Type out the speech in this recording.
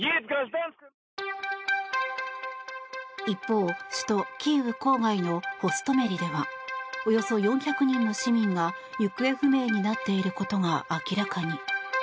一方、首都キーウ郊外のホストメリではおよそ４００人の市民が行方不明になっていることが明らかに。